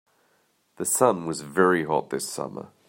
The sun was very hot this summer.